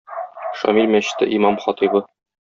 "Шамил" мәчете имам-хатыйбы.